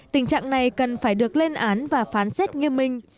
tình trạng này cần phải được lên án và phán xét nghiêm minh